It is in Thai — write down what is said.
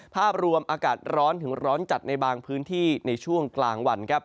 ภาพรวมอากาศร้อนถึงร้อนจัดในบางพื้นที่ในช่วงกลางวันครับ